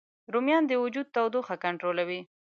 رومیان د وجود تودوخه کنټرولوي